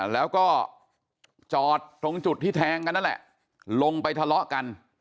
แล้วก็จอดตรงจุดที่แทงกันนั่นแหละลงไปทะเลาะกัน